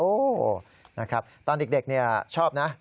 โอ้โฮตอนเด็กชอบนะ